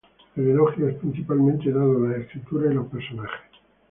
El elogio es principalmente dado a la escritura y los personajes.